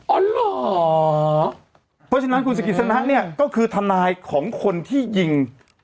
อ๋อเหรอเพราะฉะนั้นคุณศิกฤษณะเนี่ยก็คือทนายของคนที่ยิง